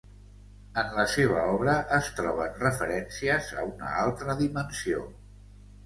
En la seva obra es troben referències a una altra dimensió.